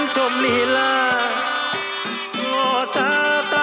ติดต่อ